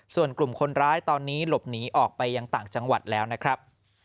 ส่วนกลุ่มคนร้ายตอนนี้หลบหนีออกไปยังต่างจังหวัดแล้วนะครับ